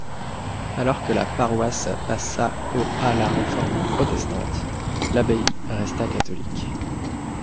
Alors que la paroisse passa au à la réforme protestante, l'abbaye resta catholique.